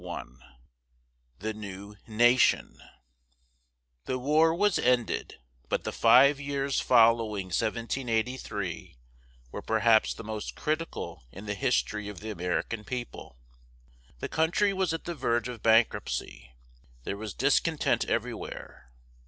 CHAPTER I THE NEW NATION The war was ended, but the five years following 1783 were perhaps the most critical in the history of the American people. The country was at the verge of bankruptcy, there was discontent everywhere.